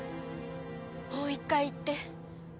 もう一回言って。